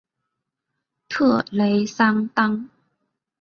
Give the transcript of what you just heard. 特雷桑当。